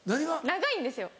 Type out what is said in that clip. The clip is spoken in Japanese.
長いんですよ。